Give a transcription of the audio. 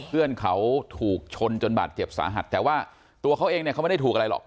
เพื่อนเขาถูกชนจนบาดเจ็บสาหัสแต่ว่าตัวเขาเองเนี่ยเขาไม่ได้ถูกอะไรหรอก